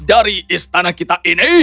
dari istana kita ini